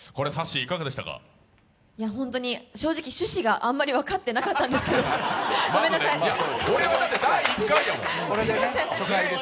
正直、趣旨があんまり分かってなかったんですけどこれは第１回やもん。